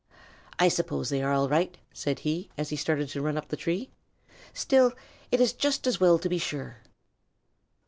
"I suppose they are all right," said he, as he started to run up the tree; "still it is just as well to be sure."